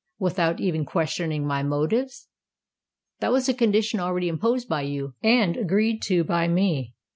"Without even questioning my motives?" "That was a condition already imposed by you, and agreed to by me."